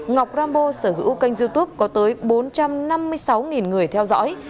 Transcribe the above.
ngọc rambo sở hữu kênh youtube có tới bốn trăm năm mươi sáu người theo dõi